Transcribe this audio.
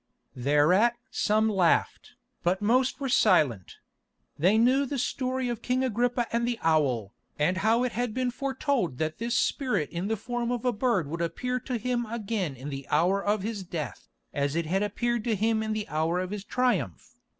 Thereat some laughed, but the most were silent. They knew the story of King Agrippa and the owl, and how it had been foretold that this spirit in the form of a bird would appear to him again in the hour of his death, as it had appeared to him in the hour of his triumph.